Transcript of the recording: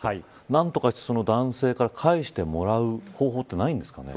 何とかして男性から返してもらう方法はないんですか。